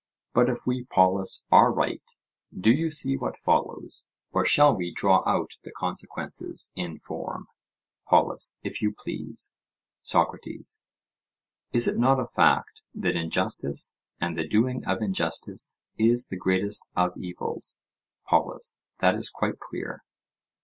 But if we, Polus, are right, do you see what follows, or shall we draw out the consequences in form? POLUS: If you please. SOCRATES: Is it not a fact that injustice, and the doing of injustice, is the greatest of evils? POLUS: That is quite clear.